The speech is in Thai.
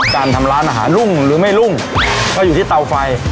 การทำร้านอาหารรุ่งหรือไม่รุ่งก็อยู่ที่เตาไฟ